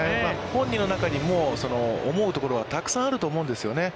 本人の中にも思うところはたくさんあると思うんですよね。